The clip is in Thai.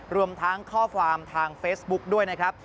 รวมทั้งข้อความทางเฟซบุ๊กด้วยนะครับ